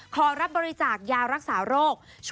ขอรับบริจาคยารักษาโรค